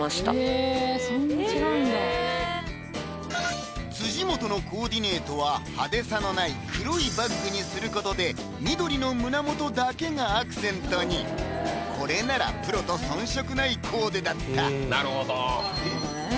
えぇ辻元のコーディネートは派手さのない黒いバッグにすることで緑の胸元だけがアクセントにこれならプロと遜色ないコーデだったなるほど！